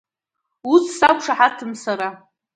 Уи сақәшаҳаҭым сара…